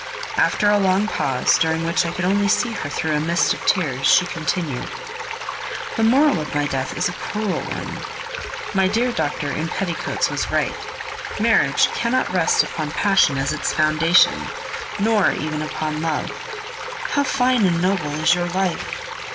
After a long pause, during which I could only see her through a mist of tears, she continued: "The moral of my death is a cruel one. My dear doctor in petticoats was right; marriage cannot rest upon passion as its foundation, nor even upon love. How fine and noble is your life!